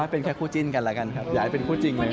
เป็นแค่คู่จิ้นกันแล้วกันครับอยากให้เป็นคู่จริงเลย